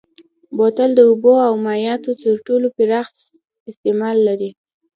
بوتل د اوبو او مایعاتو تر ټولو پراخ استعمال لري.